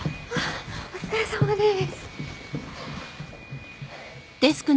お疲れさまです。